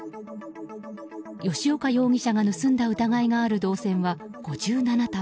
吉岡容疑者が盗んだ疑いがある銅線は５７束。